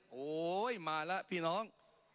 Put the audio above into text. โหมาละพี่น้อง